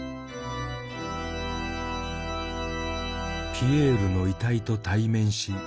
ピエールの遺体と対面しぼう然